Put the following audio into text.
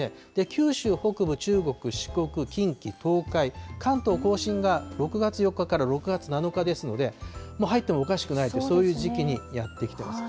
九州北部、中国、四国、近畿、東海、関東甲信が６月４日から６月７日ですので、もう入ってもおかしくないという、そういう時期にやって来てます。